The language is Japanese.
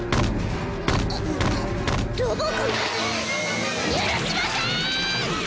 ロボ子が許しません！